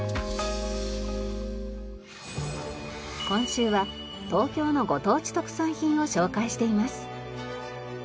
今週は東京のご当地特産品を紹介しています。